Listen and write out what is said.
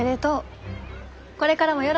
これからもよろしゅうね。